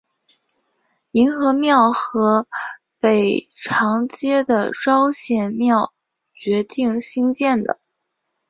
凝和庙和北长街的昭显庙决定兴建的。